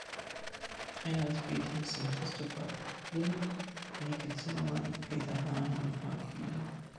Trainer des B-Teams sind Christopher Linne, Mieke Zimmermann, Peter Hahne und Marc Bieler.